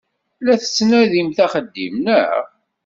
La tettnadim axeddim, naɣ?